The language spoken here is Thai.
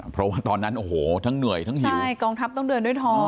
เพราะว่าตอนนั้นทั้งเหนื่อยทั้งหิว